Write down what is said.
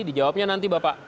dijawabnya nanti bapak